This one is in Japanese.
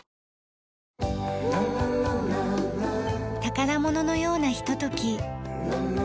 宝物のようなひととき。